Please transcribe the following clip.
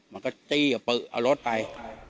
มันก็จี้เอารถไป